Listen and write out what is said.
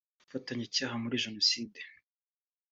ubufatanyacyaha muri Jenoside